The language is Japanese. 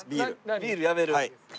ビールやめる？